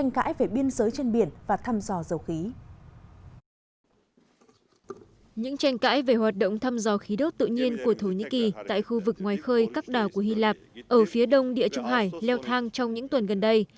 những tranh cãi về hoạt động thăm dò khí đốt tự nhiên của thổ nhĩ kỳ tại khu vực ngoài khơi các đảo của hy lạp ở phía đông địa trung hải leo thang trong những tuần gần đây